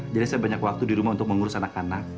jadi saya banyak waktu di rumah untuk mengurus anak anak